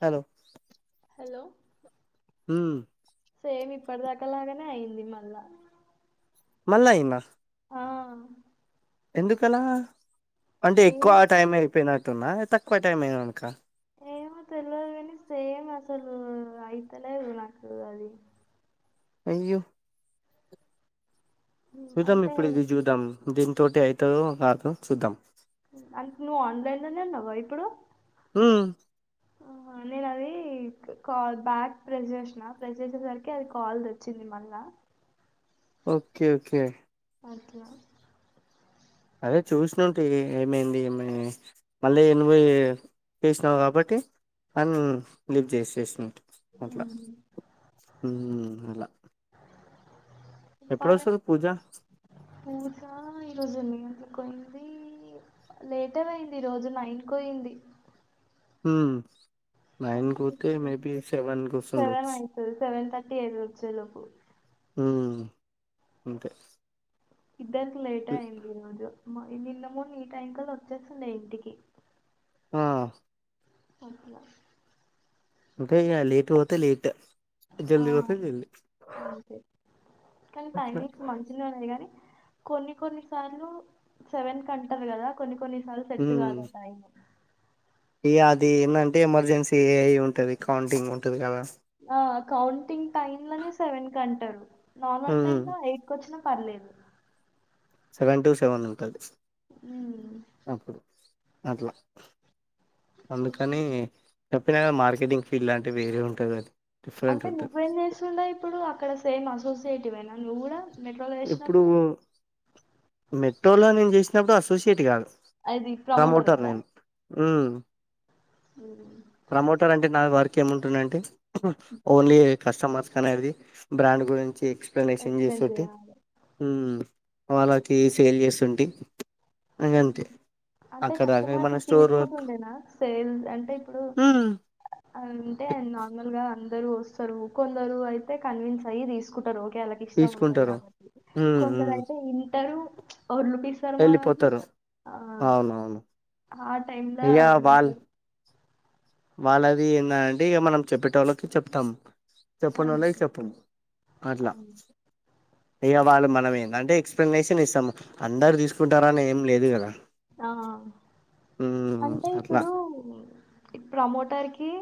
Hello hello హ్మ్ same ఇప్పటిదాకా లాగానే అయింది. మళ్ళా మళ్ళ ఐందా ఆ ఎందుకలా అంటే ఎక్కువ ఏమో ఆ టైం అయిపోయినట్టు తున్నా తక్కువ టైమే అనకా ఏమో తెలివదు కానీ సేమ్ అసలు అయితలేదు నాకు అది అయ్యో ఉమ్, చూద్దాం అంటే ఇప్పుడు ఇది చూద్దాం దీనితోటి అయితదో కాదో చూద్దాం అంటే నువ్వు ఆన్లైన్ లోనే ఉన్నావ ఇప్పుడు మ్మ్ ఆహా నేను అది కాల్ బ్యాక్ ప్రెస్ చేషిన ప్రెస్ చేసేసరికి అది కాల్దొచ్చింది మళ్ళా ఓకే ఓకే అట్లా అదే చూసినంటే ఏమైంది ఏ మళ్ళీ ఎను చపేసినావు కాబట్టి దన్ని లిఫ్ చేసేసిన అట్లా ఉహు అలా ఎప్పుడు చెప్పాలే వస్తది పూజా రోజు నట్కిపోయింది లేటే అయింది ఈ రోజు నైట్కి పోయింది ఉమ్ నైన్ అంటే కోతే ఇప్పుడు మేబి ఎంత సెవెన్ కోస్తుండొచ్చు తేజ్ వచ్చేలోపు ఊ అంతే ఇద్దరికి లేటే అయింది ఈ రోజు మరి నిన్న మొన్న ఈ టైం కళ్ళ వచ్చేస్తుండే ఇంటికి ఆ పరుపుల ఇంక ఇంగ లేట్ పోతే లేట్ ఆ జల్ది పోతే జల్ది అంతే కానీ అట్లా టైమింగ్స్ మంచినే ఉంది కానీ కొన్ని కొన్ని సార్లు సెవెన్ కంటరు కదా కొన్ని కొన్ని సాల సెట్టు ఉమ్ కాదు ఆ టైమ్ ఇగ అది ఏందంటే ఎమర్జెన్సీ ఏ ఐ ఉంటది కౌంటింగ్ ఉంటది కదా ఆ కౌంటింగ్ టైమ్ లోనే సెవెన్ కి అంటారు నార్మల్ ఉమ్ టైమ్ లో ఎయిట్కొచ్చిన పర్లేదు సేవన్ టూ సెవెన్ ఉంటది ఉమ్ అప్పుడు అట్లా అందుకని చెప్పిన కదా మార్కెటింగ్ ఫీల్డ్ లాంటి వేరే ఉంటది అది డిఫరెంట్ అంటే ఉంటది నువ్వేం చేస్తుండే ఇప్పుడు అక్కడ సేమ్ అసోసియేట్ వే న నువ్వు గూడ మెట్రోలో ఇప్పుడు చేసినప్పుడు మెట్రోలో నేను చేసినప్పుడు అసోసియేట్ కాదు అది ప్రమోటర్ కదా నేను ఉమ్. ప్రమోటర్ అంటే నా వర్క్ కేముంటుందంటే ఓన్లీ కస్టమర్స్ కనేది బ్రాండ్ గురించి ఎక్స్ప్లనేషన్ ఎక్స్ప్లెయిన్ చేసోటి చేయాలి ఊ వాళ్ళకి సేల్ చేస్తుంటి ఇంగంతే అంటే అక్కడ దాకా కస్టమర్ ఏమన్నా స్టోర్ తీసుకుంటు వర్క్ ఉండేనా సేల్స్ అంటే ఇప్పుడు హ్మ్ అంటే నార్మల్ గా కొందరు వస్తరు కొందరు అయితే కన్విన్స్ అయ్యి తీసుకుంటరు ఎళ్ళకి ఇష్టం ఉంటది తీసుకుంటారు కాబట్టి హ్మ్ కొందరు హ్మ్ అయితే ఇంటరూ ఓర్ ల్యూటిస్తారు శర్మా నాది వెళ్ళిపోతారు ఆ అవునవును ఆ టైమ్ ల ఇగ వాళ్ ఏమంటారు వాళ్ళది ఏందంటే ఇక మనం చెప్పేటోళ్ళకి చెప్తాం. చెప్పనోళ్ళకి అంతే చెప్పము అట్లా అంతే ఇక వాళ్ళు మనం ఏందంటే ఎక్స్ప్లెనేషన్ ఇస్తాం అందరు తీసుకుంటారని ఏం లేదు గదా ఆ అంటే అట్లా ఇప్పుడు ప్రమోట్ టర్కీ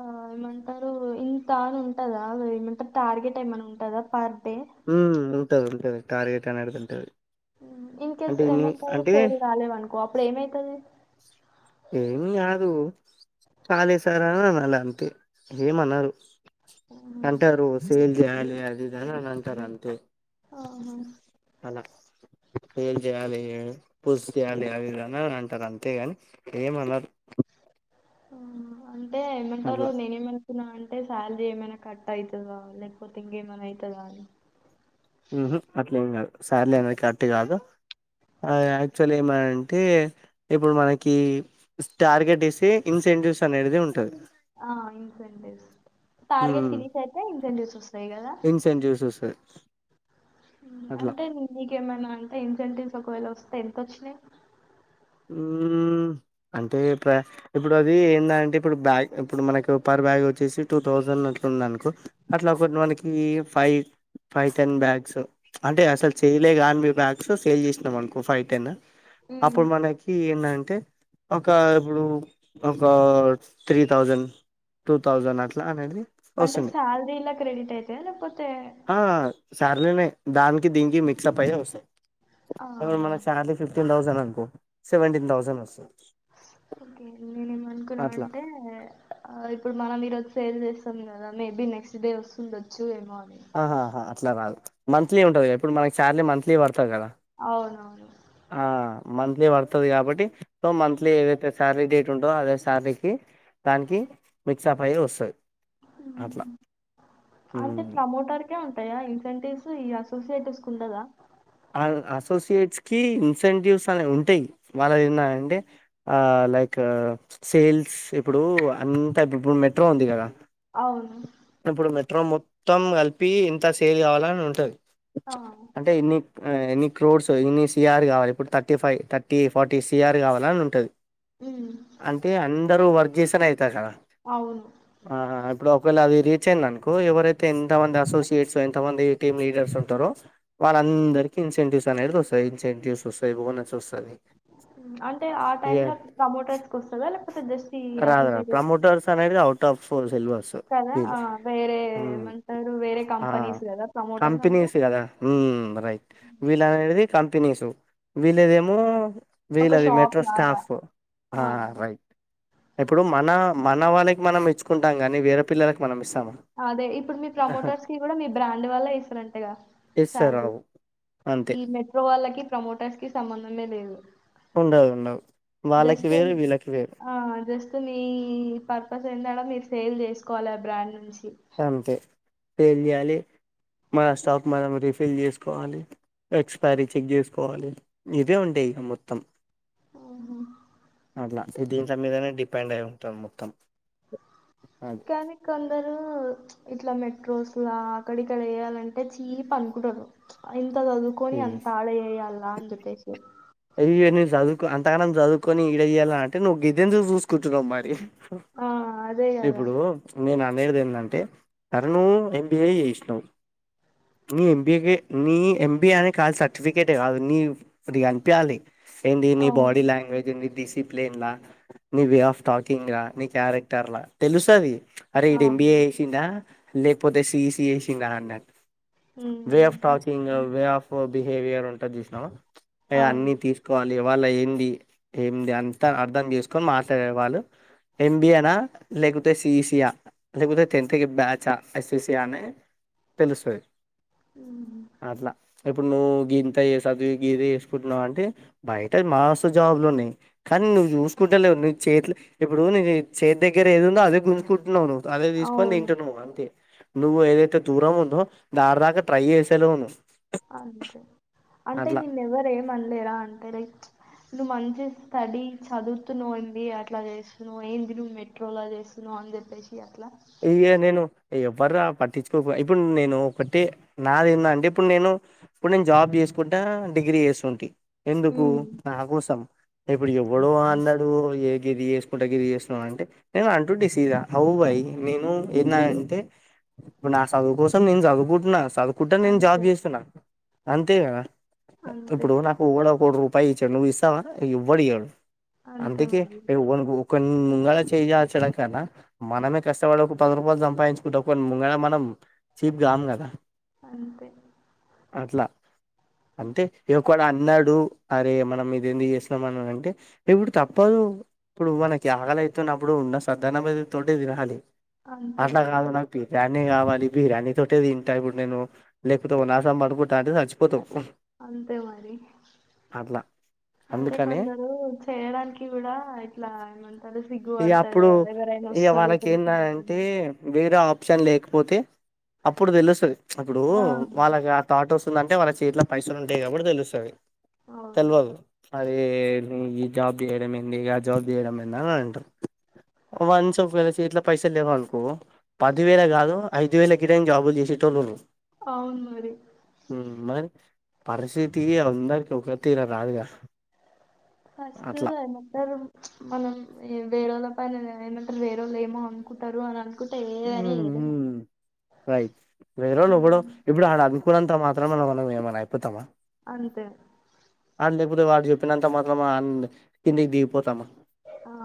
ఆ ఏమంటారు ఇంత అని ఉంటదా ఏమంటారు టార్గెట్ ఏమన్నా ఉంటందా పర్ డే ఊ ఉంటది ఉంటది టార్గెట్ అనేటిది ఉంటది. ఇన్ కేస్ అంటే ఇన్ని ఏమంటారు అంటే సేల్ గాలేదనుకో అప్పుడు ఏమైతది. ఏమి గాదు. కానిస్తరా అనాల అంతే ఏమనరు. అంటారు సేల్ యాంది అది ఇది అంతారు అంతే ఆహ పేర్లు చేయాలి. పుస్ చేయాలి అవి ఇవి అంటారు అంతేగాని ఏమనరు. ఓ అంత్ ఏం అంటారో అట్లా నేనేమనుకున్నా అంటే సల్రీ ఏమైనా కట్ కట్ ఐతదో లేకపోతే ఇంగేమన్నా ఐతదా అని ఊహు అట్లా ఏం కాదు సాలరీ అనేది కట్ కాదు. ఆ యాక్చువల్లి ఏమంటే ఇప్పుడు మనకి టార్గెట్ ఇచ్చి ఇన్సెంటివ్స్ అనేది ఉంటది. ఆ ఇన్ఫెంటివ్స్ టార్గెట్ ఫినిష్ అయితే ఇన్ఫెంటివ్స్ వస్తయ్ ఇన్సెన్జూస్ వస్తది ఊ అంటే నీకేమన్నా అంటే ఇంటెంటివ్స్ ఒకవేళ వస్తే ఎంతోచినై మ్మ్ అంటే ప్ర ఇప్పుడు అది ఏంద అంటే ఇప్పుడు బ్యాగ్ ఇప్పుడు మనకు పర్ బ్యాగ్ వచ్చేసి టూ థౌసండ్ అట్లుంది అనుకో అట్లా ఒకటి మనకి ఫైవ్ ఫైవ్ టెన్ బ్యాగ్స్ అంటే అసలు సేలే కాని మీ బ్యాగ్స్ సేల్ చేసినాం అనుకో ఫైవ్ టెన్ ఉమ్. ఆప్పుడు మన్ ఏంటంటే ఒక ఇప్పుడు ఒక త్రీ థౌజండ్ టూ థౌజండ్ అట్లా అనేది అంటే వస్తుంది శాలరీ ఇలా క్రెడిట్ అయితాయ లేకపోతే సరలేనే దానికి దీనికి మిక్స్ అప్ అయితే వస్త ఇప్పుడు ఆహా! మన సాలరీ ఫిఫ్ టీన్ తౌసండ్ అనుకో సెవెంటీన్ థౌసండ్ వస్తుంది ఓకే నేనే ఏమనుకున్నా అట్లా అంటే ఆ ఇప్పుడు మనం మీరు సేల్ చేస్తాం కదా మేబీ నెక్స్ట్ డే వస్తుండొచ్చు ఏమో అని. ఆహా అట్లా రాదు మంత్లీ ఉంటంది కా ఇప్పుడు మనకి శాలరీ మాంట్లీ పతది కదా అవునవును ఆ మంత్లీ పడుతుంది కాబట్టి సో మంత్లీ ఏదైతే శారరీ డేట్ ఉంటుందో అదే శారీకి దానికి మిక్స్ాప్ అయి వస్తుంది హ్మ్. అట్లా యా ఇన్సెంటివ్స్ ఈ అసోసియేటివ్స్ కు ఉండదా అసోసియేట్స్కిి ఇన్సెంటివ్స్ అనేవి ఉంటాయి వాళ్ళ ఏన్నా అంటే లైక్ సేల్స్ ఇప్పుడు అంతా ఇప్పుడు మెట్రో ఉంది కదా అవును ఇప్పుడు మెట్రో మొత్తం కలిపి ఇంత సేల్ కావాలని ఉంటది ఆ! అంటే ఎన్ని ఎన్ని క్రోడ్స్ ఇన్ని సిఆర్ కావాలి ఇప్పుడు thirty five thirty forty CR కావాలని ఉంటది హ్మ్. అంటే అన్ని వర్జించసతేనే కా అవును. ఆ ఇప్పుడు ఒకవేళ అది రచేయండి అనుకో ఎవరైతే ఎంత మంది అసోసియేట్స్ ఎంత మంది టీమ్ లీడర్స్ ఉంటారో వాళ్ళందరికి ఇన్సెంటివ్స్ అనేది వస్తాయి ఇన్సెంటివ్స్ వస్తాయి బోనెస్ వస్తుంది అంటే ఆ టైమ్ లో ప్రమోటర్స్ క వస్తుందా లేకపోతే జస్ట్ రాదు రాదు అసోసియేటే ప్రమోటర్స్ కదా ఆ! వేరే మ్మ్ ఏమంటారు వేరే ఆ కంపెనీస్ గదా! ప్రమోటర్స్ అంటే కంపెనీస్ కదా మ్మ్ రైట్ వెళ్ళు అనేది కాంప్ ప్పనిసుు వీలేదేమో ఒక వీలది షాప్ మెట్రో లాగా. స్టాఫ ఆ! రైట్ ఇప్పుడు మన మన వాళ్ళకి మనం మెచ్చుకుంటాం కాని వేరే పిల్లలకి మనమిస్త అదే ఇప్పుడు మీ ప్రమోటర్స్ కి కూడా మీ బ్రాండ్ వల్ళ ఇసారంటగా ఇస్తారు శాలరీ రావు అంతే ఈ మెట్రో వాళ్ళకి ప్రమోటర్స్ కి సంబంధమే లేదు ఉండదు ఉండవు వాళ్ళకి దస్తు వేరు వీళ్ళకి వేరు ఆ జస్తు మీ పర్పస్ ఎందడ మీరు సేల్ చేసుకోవాలి ఆ బ్రాండ్ నుంచి అంతే ఇప్పుడు ఎం చేయాలే మన స్టాక్ మనం రీఫిల్ చేసుకోవాలి ఎక్స్పైరీ చెక్ చేసుకోవాలి ఇవే ఉంటాయి ఇగ మొత్తం అట్లా అంటే దీంట్ల మీదనే డిపెండ్ అయి ఉంటాం మొత్తం అది కానీ కొందరు ఇట్లా మెట్రోస్లా అక్కడ ఇక్కడ చేయాలంటే చీపు అనుకుంటరు అంత సదువుకొని అంత ఆడ చేయాల్లా అందుకేసి ఇగ నే చదువుకో అంతగానం చదువుకొని ఈడ ఇయ్యాల అంటే నువ్వు గిదెందుకు చూసుకుంటున్నావు మరి ఆ అదే కదా ఇప్పుడు నేన మేడి దేందంటే అరూనూ ఎల్ ఎంబిఎ చేసినవ్ నీ ఎంబిఏ కె నీ ఎంబిఏ అనే కాదు సర్టిఫికట్ కాదు నీ ఫుడ్ గాని ప్యాలి ఏంది నీ బాడీ అవును లాంగ్వేజ్ ఎంది దిస్ డిప్లెన్ల నీ వే ఆఫ్ టాకింగ్ గా నీ క్యారెక్టర్ లా తెలుసది అరే ఇది ఎంబిఏ అవును చేసిండా లేపోతే సి ఇ సి చేసిండా అన్నట్ way of um talking way of behaviour ఉంటది చూసినావా ఎ అవును అన్ని తీసుకోవా ఇగ వాళ్ళ ఏంది ఏంది అంతా అర్థం చేసుకొని మాట్లాడే వాళ్ళు ఎంబిఏనా లేకుంటే సి ఇ సి యా లేకపోతే టెన్త్ కి బ్యాచ ఎస్సిసి అని తెలుస్తది ఉమ్ అట్లా ఇప్పుడు నువ్వు గీంత యే సదివి గీదే పొద్దున వంటే బయట మస్తు జాబ్ లున్నాయి కానీ నువు చూసుకుంటలేవు నీకు చేతుల ఇప్పుడు నీ చేతి దగ్గర ఏది ఉందో అదే గుంజుకుంటున్నావు నువు అదే తీసుకొని అవును తింటు నువ్ అంతే నువ్వు ఏదైతే దూరం ఉందో దారి రా కా ట్రై చేసలేవు నువు అంతే అంటే నిన్ను ఎవరేమన ఎలా అంటే లైక్ నువ్వు మంచి స్టడీ చదువుతు నువ్వు ఎంబిఎ అట్లా చేస్తున్నావు ఏంది నువ్వు మెట్రోలా చేస్తున్నావు అని చెప్పేసి అట్లా ఇగ నేను ఎవ్వర పట్టించుకోక ఇప్పుడు నేను ఒకటి నాది ఎందంటే ఇప్పుడు నేను ఇప్పుడు నేను జాబ్ చేసుకుంటా డిగ్రీ చేసుకుంటి ఎందుకు ఉమ్, నా కోసం ఇప్పుడు ఎవడు అన్నాడు ఏ గిది చేసుకుంటా గిది చేస్తున్నాం అంటే నేను అంటుంటి సీద అవు వై నేను ఏన్నా అంటే ఇప్పుడు నా సదువు కోసం నేను చదువుకుంటున్నా సదు కుట నేను జాబ్ అంతే చేస్తు నా అంతేగదా ఆ అంతే ఇప్పుడు నాకు ఓవడ్ ఓ రూపాయిచాడ్ నువిస్సవా ఎవ్వడియడు అంతే అంతికే మరి ఎవ్వాని కో కొన్ ముంగాళ చెయ్యిజచడం కన్నా మనమే కష్టపడు ఒక పది రూపాయలు సంపాయించుకుంటా ఒకోన్ ముంగట మనం చీప్ గాము గదా అంతే అట్లా అంతే ఇగ కోడ అన్ ఉన్నాడు అరే మనం ఇదెంకుజేస్సునం అనన్ అంటేే ఇప్పుడు తప్పదు ఇప్పుడు మనకి ఆకలైతున్నప్పుడు ఉన్న సద్ధన్నంమెతుకు తోటే తినాలి అంతే మరి అట్లాగాదు నాకి రన్ని కావాలి, ఇబి రన్నితోటే దింట. ఇప్పుడు నేను లేకపోతే, ఉనాసం బడుకుంటా అంటే, సచిపోతాం అంతే మరి. అట్లా అంతే అందుకని కొందరు చేయడానికి గూడా ఇట్లా ఏమంటారు సిగ్గు పడతరుా ఎవరైనా వస్సరు తెల్ నంటి ఏరే ఆప్షన్ లేకపోతే అప్పుడు తేలుస్తది అప్పుడు ఆ వాళ్ళగా తాటోస్ స్తుందంటే వాళ్ళ చేత్ల పైసలుంటాయి. అబ్బుడు తెలుస్సది అవును తెల్వాదు అది ఈ జాబ్ జేయడం ఏంది గా జాబ్ జేయడంమెందా అంటరు వన్స్ ఫె చెట్లో పైసలేవ్ అనుకో పదివేల గాదు ఐదు వేలకి టైం జాబులు జెసెటోలుండ్రు అవును మరి మరే పరిస్థితి అందరికి ఒకతిర్ రాదుగా ఫస్ట్ అట్లా [unintelligible] మనం ఏం వేరోళ్ళ పని [unintelligible] వేరొళ్ళు ఏమో అనుకుంటారు అన్ అన్ ఊ మ్ రైట్ వేరోల్ మనం ఓబ్బుడో ఇబుడో ఆడ ఆకునంత మాత్ త్ర మనం వాళ్ళక్ ఏమన్నా అయిపోతామా అంతే ఆడు లేకపోతే వాడు చెప్పినంత మాత్రం అంద్ కిందికి దిగిపోతామా ఆ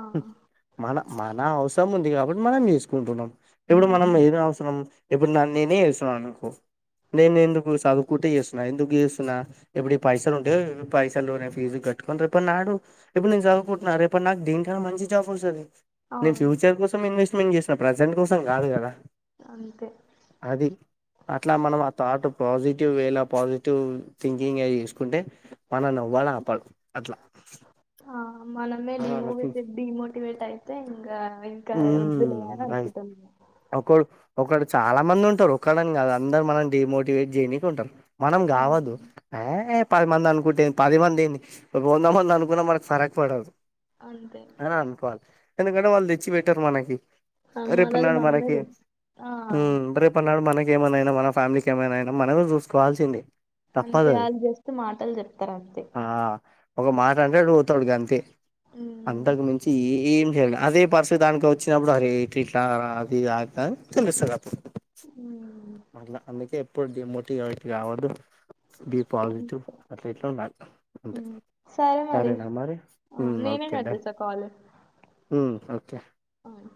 మన మనా అవ్ సమ్ముంది గాబట్ మనం జేసుకుంటున్నాం ఇప్పుడు ఉమ్ మనం ఏది అవసరం ఇప్పుడు నాన్నిని స అనుకో నేన్నెందుకు సదువుకుంటె ఎస్సున్నా ఎందుకు ఎస్సున్నా ఎబ్బుడి పైసలున్ టె పైసలు లోనే ఫీజు కట్టుకొని. రేపు, నాడు ఇబ్బుడు నేను జాధువ్కుంటున్న రేపుడ్ నాకు దిన్క మంచి జాబోస్సది నేన్ అవును ఫ్యూచర్ కోసం ఇన్ నువ్వు ఏం చేసిన ప్రజెంట్ కోసం కాదు కదా అంతే అది అట్లా మనం ఆ థాట్. పాజిటివ్ వేలా పాజిటివ్ థింకింగ్ చేసుకుంటే. మనల్ని ఎవడు ఆపరు అట్లా ఆ మనమే అలా డిమోవ్ ఆలోచించు డిమోటివేట్ అయితే. కా ఇంకా వద్దులే అని అనుకుంటాం ఒకలు చాలా మంది ఉంటారు ఒక్కలని కాదు అందరు మనం డిమోటివేట్ జేయనికి ఉంటరు. మనం ఆ గావద్దు ఆ పది మంది అనుకుంటే ఏందీ పది మంది ఏందీ వంద మంది అనుకున్నా మనకు ఫరక్ పడదు. అంతే అ అనుకోవాల్ ఎందుకం రేవళ్ది చ్ బెటర్ మనకి ఆ, మనది రెపన్నాడు మనమే మనకి తెల్ ఆ ఉమ్ రెపన్నాడు మనకి ఏమైనా అయిన మన ఫ్యామిలికి ఏమైయినా మనమే చూసుకోవాల్సింది అంతే వాళ్ళు జస్ట్ మాటలు చెప్తారు అంతే ఆ ఒక మాట అంటాడు పోతాడు గంతే ఉమ్ అంతకు మించి ఏ ఏం జెర అదే పస్ అంటే దానికి వచ్చినప్పుడు అవి ఇట్ల ఇట్లా అది ఆత తెలుస్తది అప్పుడు ఉ మళ్ళ అందుకే ఎప్పుడు డిమోటివేట్ కావద్దు బి పాజిటివ్ అట్లెట్లో ఉంటాయి ఉమ్. సరే సరేనా మరి ఆ, ఉ నేనే ఓకే కట్ డన్ చేస్తా కాల్ ఉ ఓకే అవును